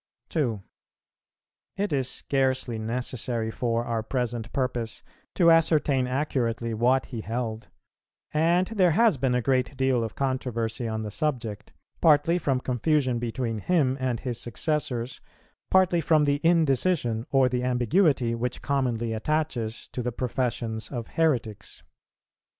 2. It is scarcely necessary for our present purpose to ascertain accurately what he held, and there has been a great deal of controversy on the subject; partly from confusion between him and his successors, partly from the indecision or the ambiguity which commonly attaches to the professions of heretics.